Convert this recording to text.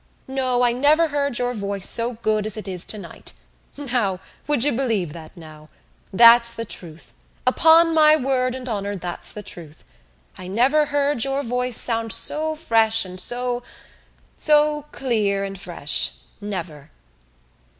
No, I never heard your voice so good as it is tonight. Now! Would you believe that now? That's the truth. Upon my word and honour that's the truth. I never heard your voice sound so fresh and so ... so clear and fresh, never."